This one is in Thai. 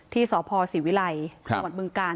ที่สภศิวิไลจังหวัดบึงกาล